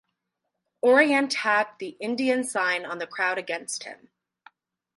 Oriente had the ‘Indian sign’ on the crowd against him.